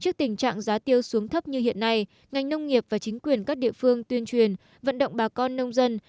trước tình trạng giá tiêu xuống thấp như hiện nay ngành nông nghiệp và chính quyền các địa phương tuyên truyền vận động bà con nông dân